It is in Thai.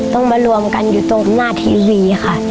ต้องมารวมกันอยู่ตรงหน้าทีวีค่ะ